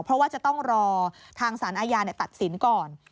เพราะว่าจะต้องรอทางสารอาญาตัดสินก่อน